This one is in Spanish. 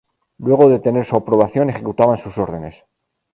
Luego de tener su aprobación, ejecutaban sus órdenes.